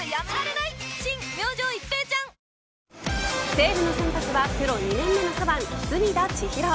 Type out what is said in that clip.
西武の先発はプロ２年目の左腕隅田知一郎。